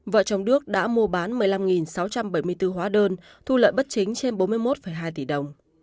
vợ chồng đức đã mua bán một mươi năm sáu trăm bảy mươi bốn hóa đơn thu lợi bất chính trên bốn mươi một hai tỷ đồng